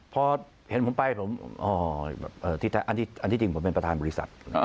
พอเห็นผมไปผมอันที่จริงผมเป็นประธานบริษัท